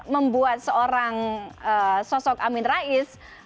membuat seorang sosok amin rais